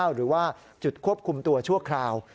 หรือว่าจุดควบคุมตัวชั่วคราว